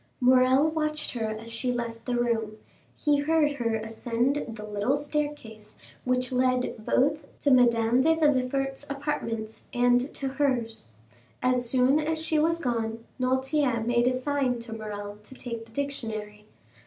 40274m Morrel watched her as she left the room; he heard her ascend the little staircase which led both to Madame de Villefort's apartments and to hers. As soon as she was gone, Noirtier made a sign to Morrel to take the dictionary.